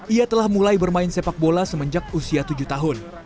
ia telah mulai bermain sepak bola semenjak usia tujuh tahun